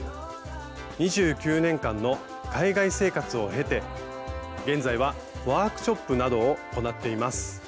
２９年間の海外生活を経て現在はワークショップなどを行っています。